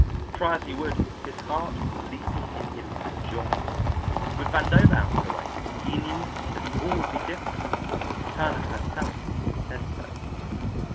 Try as he would, his heart was leaping in him for joy. With Vandover out of the way, he knew that all would be different; Turner herself had said so.